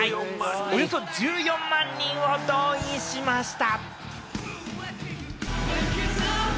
およそ１４万人を動員しました。